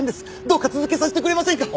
どうか続けさせてくれませんか？